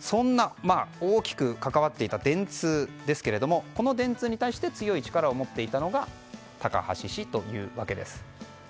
そんな大きく関わっていた電通に対して強い力を持っていたのが高橋氏というわけです。